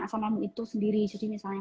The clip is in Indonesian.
asam lambung itu sendiri jadi misalnya